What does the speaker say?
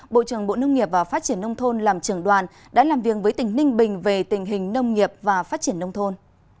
bộ trưởng bộ nông nghiệp và phát triển nông thôn làm trưởng đoàn đã làm việc với tỉnh ninh bình về tình hình nông nghiệp và phát triển nông thôn